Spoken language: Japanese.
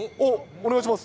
お願いします。